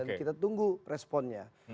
dan kita tunggu responnya